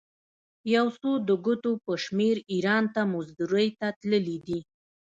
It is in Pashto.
یو څو د ګوتو په شمېر ایران ته مزدورۍ ته تللي دي.